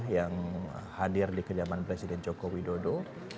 yang hadir di kediaman presiden jokowi dodo